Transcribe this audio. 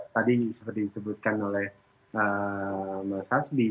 tadi seperti disebutkan oleh mas hasbi